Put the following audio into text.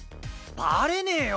バレねえよ！